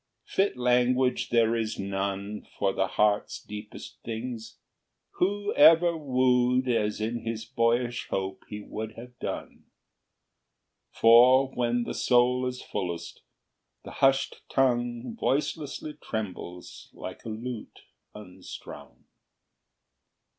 Fit language there is none For the heart's deepest things. Who ever wooed As in his boyish hope he would have done? For, when the soul is fullest, the hushed tongue Voicelessly trembles like a lute unstrung.